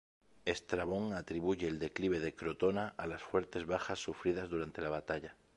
Estrabón atribuye el declive de Crotona a las fuertes bajas sufridas durante la batalla.